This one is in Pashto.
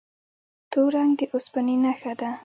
تور رنګ د اوسپنې نښه ده.